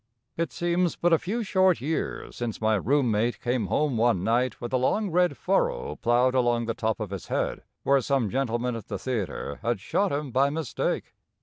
It seems but a few short years since my room mate came home one night with a long red furrow plowed along the top of his head, where some gentleman at the theatre had shot him by mistake.